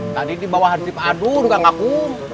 tadi dibawah hr sipadul nggak ngaku